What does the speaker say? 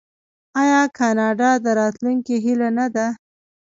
آیا کاناډا د راتلونکي هیله نه ده؟